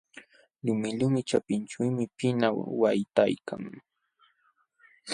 Lumilumi ćhapinćhuumi pinaw waytaykan.